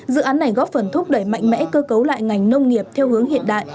dự án này góp phần thúc đẩy mạnh mẽ cơ cấu lại ngành nông nghiệp theo hướng hiện đại